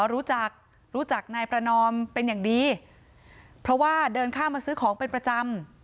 รู้จักรู้จักนายประนอมเป็นอย่างดีเพราะว่าเดินข้ามมาซื้อของเป็นประจำ